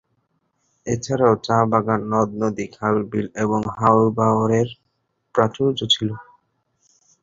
এছাড়াও চা বাগান, নদ-নদী, খাল-বিল এবং হাওর-বাওরের প্রাচুর্য ছিলো।